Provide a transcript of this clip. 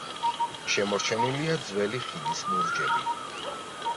შემორჩენილია ძველი ხიდის ბურჯები.